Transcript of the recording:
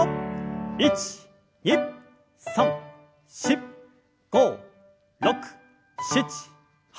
１２３４５６７８。